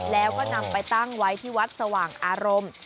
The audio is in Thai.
แล้วก็นำไปตั้งไว้ที่วัดสว่างอารมณ์